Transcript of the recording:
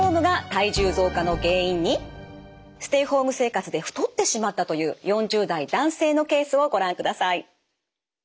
ステイホーム生活で太ってしまったという４０代男性のケースをご覧ください。